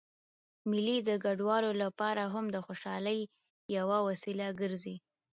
مېلې د کډوالو له پاره هم د خوشحالۍ یوه وسیله ګرځي.